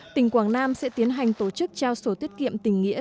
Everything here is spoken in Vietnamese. tỉnh quảng nam sẽ tiến hành tổ chức trao sổ tiết kiệm tình nghĩa